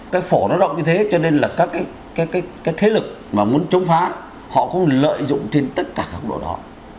cái phổ nó rộng như thế cho nên là các thế lực mà muốn chống phá họ cũng lợi dụng trên tất cả các hợp đồ đó